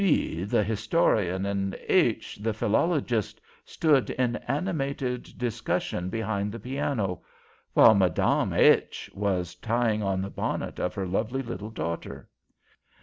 B , the historian, and H , the philologist, stood in animated discussion behind the piano, while Mme. H was tying on the bonnet of her lovely little daughter.